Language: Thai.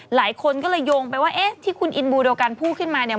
หลายคนก็เลยโยงไปว่าเอ๊ะที่คุณอินบูโดกันพูดขึ้นมาเนี่ย